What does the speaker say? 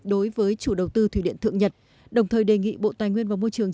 đối với chủ đầu tư thủy điện thượng nhật đồng thời đề nghị bộ tài nguyên và môi trường